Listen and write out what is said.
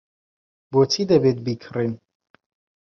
بۆچی دەبێت بیکڕین؟